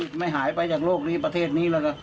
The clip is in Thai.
จะหาพี่หาน้องก็ไปลำบาก